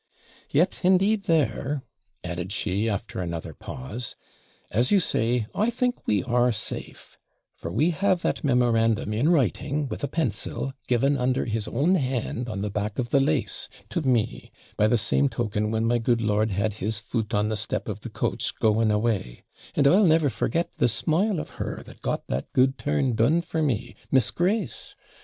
Yet, indeed, there,' added she, after another pause, 'as you say, I think we are safe; for we have that memorandum in writing, with a pencil, given under his own hand, on the back of the LASE, to me, by the same token when my good lord had his foot on the step of the coach, going away; and I'll never forget the smile of her that got that good turn done for me, Miss Grace.